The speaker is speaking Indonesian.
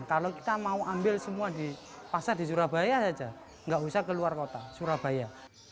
kalau kita mau ambil semua di pasar di surabaya saja nggak usah keluar kota surabaya